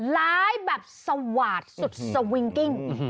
ไลฟ์แบบสวาดสุดสวิงกิ้ง